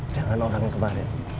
jangan orang yang kemarin